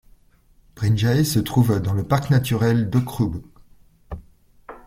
Brinjahe se trouve dans le parc naturel d'Aukrug.